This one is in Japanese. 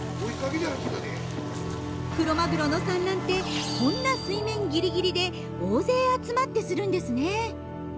クロマグロの産卵ってこんな水面ぎりぎりで大勢集まってするんですね。